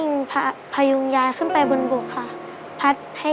ไม่ได้